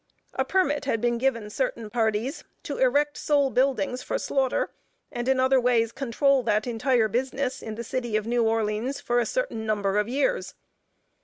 A permit had been given certain parties to erect sole buildings for slaughter, and in other ways control that entire business in the city of New Orleans for a certain number of years.